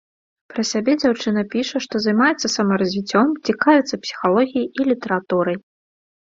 Пра сябе дзяўчына піша, што займаецца самаразвіццём, цікавіцца псіхалогіяй і літаратурай.